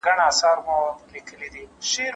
هورمونونه د عصبي حجرو وده اغېزمنوي.